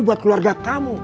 buat keluarga kamu